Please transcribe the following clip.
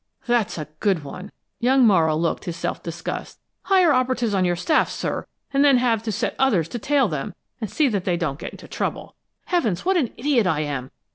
"That's a good one!" Young Morrow looked his self disgust. "Hire operatives on your staff, sir, and then have to set others to tail them, and see that they don't get into trouble! Heavens, what an idiot I am!